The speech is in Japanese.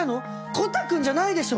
コタくんじゃないでしょ？